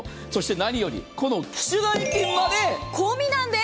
何より、この機種代金まで込みなんです。